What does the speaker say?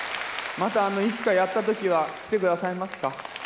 またいつかやったときは、来てくださいますか。